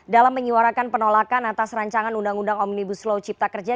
dalam menyuarakan penolakan atas rancangan undang undang omnibus law cipta kerja